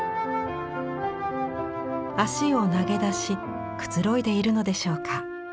足を投げ出しくつろいでいるのでしょうか。